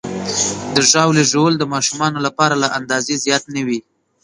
د ژاولې ژوول د ماشومانو لپاره له اندازې زیات نه وي.